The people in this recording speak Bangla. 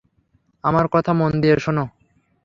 আমার কথা মন দিয়ে শোনো।